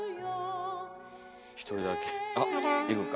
一人だけあっいくか。